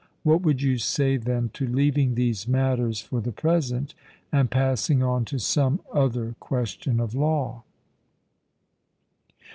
What would you say then to leaving these matters for the present, and passing on to some other question of law?